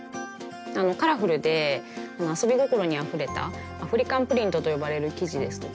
カラフルで遊び心にあふれたアフリカンプリントと呼ばれる生地ですとか